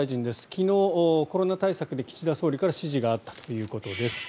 昨日コロナ対策で総理から指示があったということです。